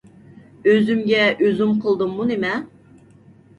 ئۆزۈمگە ئۆزۈم قىلدىممۇ نېمە؟